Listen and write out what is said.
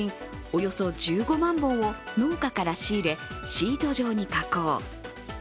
およそ１５万本を農家から仕入れ、シート状に加工。